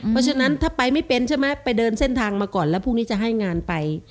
เพราะฉะนั้นถ้าไปไม่เป็นใช่ไหมไปเดินเส้นทางมาก่อนแล้วพรุ่งนี้จะให้งานไป